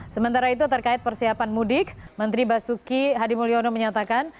sementara itu terkait persiapan mudik menteri basuki hadimulyono menyatakan